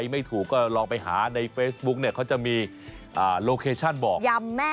ไม่พาดิฉันไปด้วย